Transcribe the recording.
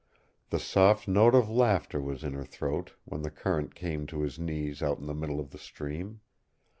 The soft note of laughter was in her throat when the current came to his knees out in the middle of the stream.